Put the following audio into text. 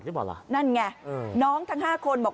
เป็นแชทด้วย